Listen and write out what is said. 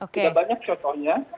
tidak banyak contohnya